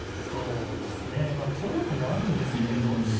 そうですね取るのもあるんですけれど。